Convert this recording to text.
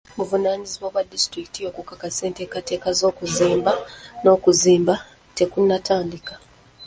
Buvunaanyizibwa bwa disitulikiti okukakasa enteekateeka z'okuzimba ng'okuzimba tekunatandika